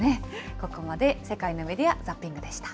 ここまで世界のメディア・ザッピングでした。